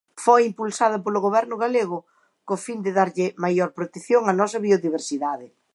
Foi impulsada polo Goberno galego co fin de darlle maior protección á nosa biodiversidade.